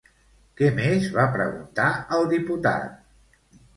Què més va preguntar el diputat?